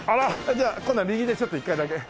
じゃあ今度は右でちょっと一回だけ。